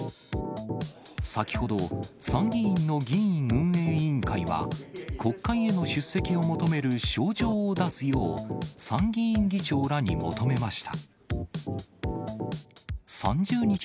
先ほど、参議院の議院運営委員会は、国会への出席を求める薔しょうじょうを出すよう、参議院議長らに求めました。